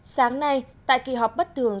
sáng nay tại kỳ họp bất thường